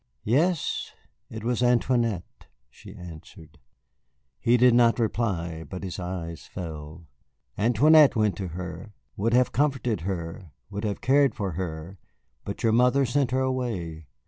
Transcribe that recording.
"Yes, it was Antoinette," she answered. He did not reply, but his eyes fell. "Antoinette went to her, would have comforted her, would have cared for her, but your mother sent her away.